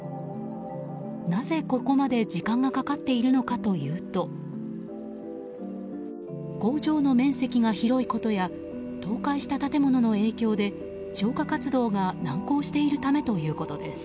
なぜ、ここまで時間がかかっているのかというと工場の面積が広いことや倒壊した建物の影響で消火活動が難航しているためということです。